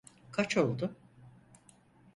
Kaç oldu?